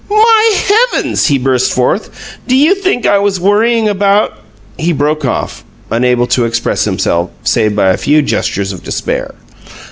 "My heavens!" he burst forth. "Do you think I was worrying about " He broke off, unable to express himself save by a few gestures of despair.